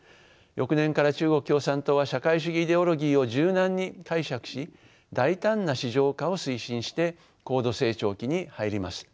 翌年から中国共産党は社会主義イデオロギーを柔軟に解釈し大胆な市場化を推進して高度成長期に入ります。